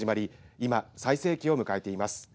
今、最盛期を迎えています。